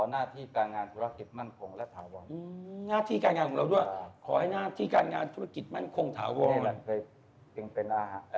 น่าที่การงานธุรกิจแม่งคงและทาวอง